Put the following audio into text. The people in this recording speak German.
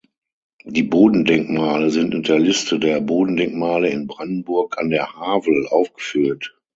Die Bodendenkmale sind in der Liste der Bodendenkmale in Brandenburg an der Havel aufgeführt.